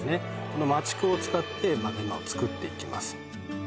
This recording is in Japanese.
この麻竹を使ってメンマを作っていきます